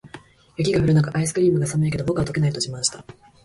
雪が降る中、アイスクリームが「寒いけど、僕は溶けない！」と自慢した。